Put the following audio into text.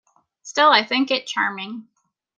Still I think it charming.